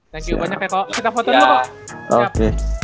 thank you banyak ya kok